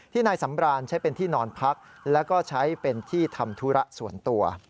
นายสำรานใช้เป็นที่นอนพักแล้วก็ใช้เป็นที่ทำธุระส่วนตัว